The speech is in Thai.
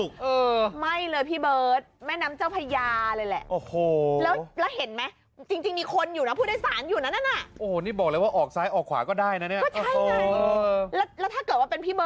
โคตรสวัสดี